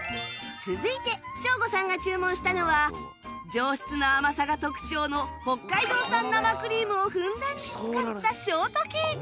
続いてショーゴさんが注文したのは上質な甘さが特徴の北海道産生クリームをふんだんに使ったショートケーキ